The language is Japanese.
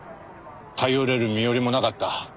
頼れる身寄りもなかった。